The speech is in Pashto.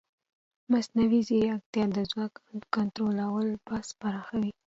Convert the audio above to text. مصنوعي ځیرکتیا د ځواک او کنټرول بحث پراخوي.